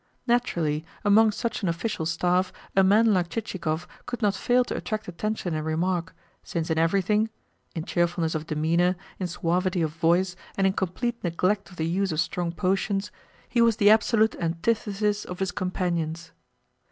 Naturally, among such an official staff a man like Chichikov could not fail to attract attention and remark, since in everything in cheerfulness of demeanour, in suavity of voice, and in complete neglect of the use of strong potions he was the absolute antithesis of his companions.